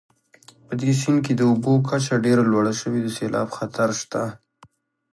په دې سیند کې د اوبو کچه ډېره لوړه شوې د سیلاب خطر شته